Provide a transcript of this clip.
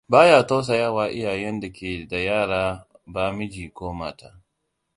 Ba ya tausayawa iyayen da ke da yara ba miji ko mata.